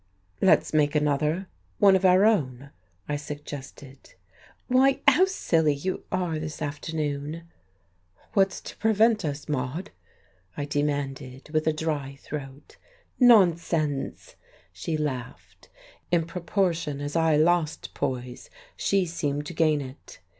"Let's make another one of our own," I suggested. "Why, how silly you are this afternoon." "What's to prevent us Maude?" I demanded, with a dry throat. "Nonsense!" she laughed. In proportion as I lost poise she seemed to gain it.